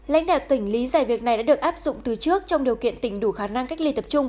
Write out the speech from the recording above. lãnh đạo tỉnh lý giải việc này đã được áp dụng từ trước trong điều kiện tỉnh đủ khả năng cách ly tập trung